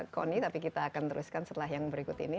kony tapi kita akan teruskan setelah yang berikut ini